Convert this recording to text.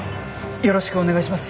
よろしくお願いします。